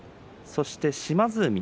そして島津海。